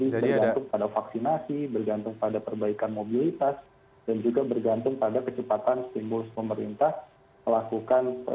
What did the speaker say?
jadi bergantung pada vaksinasi bergantung pada perbaikan mobilitas dan juga bergantung pada kecepatan stimulus pemerintah melakukan